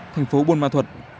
thành phố buôn ma thuật